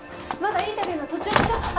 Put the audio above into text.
まだインタビューの途中でしょ。